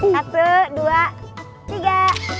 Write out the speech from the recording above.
satu dua tiga